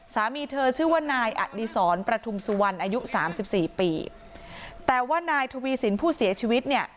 สามีเธอชื่อว่านายอดีศรประทุมสุวรรณอายุสามสิบสี่ปีแต่ว่านายทวีสินผู้เสียชีวิตเนี่ย